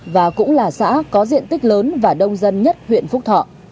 và cũng là xã có diện tích lớn và đông dân nhất huyện phúc thọ